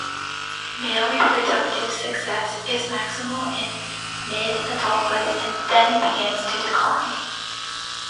Male reproductive success is maximal in mid-adulthood and then begins to decline.